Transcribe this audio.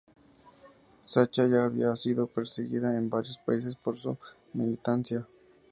Sacha ya había sido perseguida en varios países por su militancia.